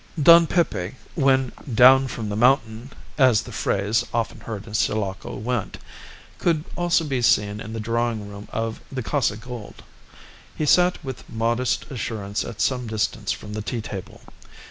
Don Pepe, when "down from the mountain," as the phrase, often heard in Sulaco, went, could also be seen in the drawing room of the Casa Gould. He sat with modest assurance at some distance from the tea table.